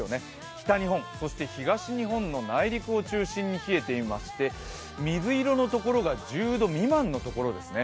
北日本、そして東日本の内陸を中心に冷えていまして、水色のところが１０度未満のところですね。